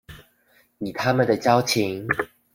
以他們的交情